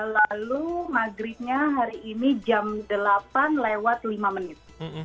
lalu maghribnya hari ini jam delapan lewat lima menit